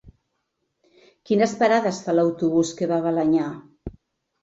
Quines parades fa l'autobús que va a Balenyà?